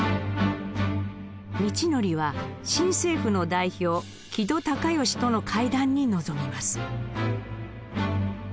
道徳は新政府の代表木戸孝允との会談に臨みます。